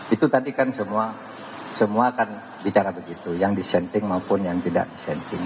itu tadi kan semua akan bicara begitu yang disenting maupun yang tidak disenting